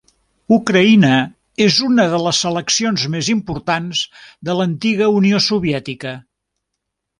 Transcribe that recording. Ucraïna és una de les seleccions més importants de l'antiga Unió Soviètica.